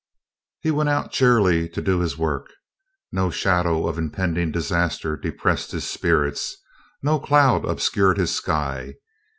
He went out cheerily to his work. No shadow of impending disaster depressed his spirits. No cloud obscured his sky.